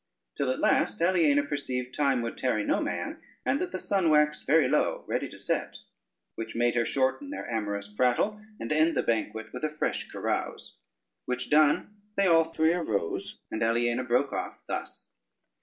Till at last Aliena perceived time would tarry no man, and that the sun waxed very low, ready to set, which made her shorten their amorous prattle, and end the banquet with a fresh carouse: which done, they all three arose, and Aliena broke off thus: [Footnote 1: mug.